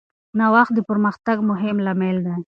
نوښت د پرمختګ مهم لامل دی.